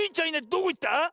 どこいった？